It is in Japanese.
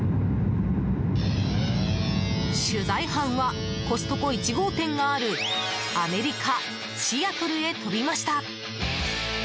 取材班はコストコ１号店があるアメリカ・シアトルへ飛びました。